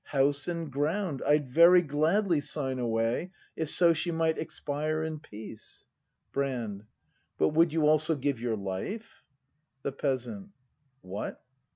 House and ground I'd very gladly sign away If so she might expire in peace! Brand. But would you also give your life? The Peasant. What?